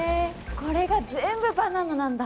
これが全部バナナなんだ！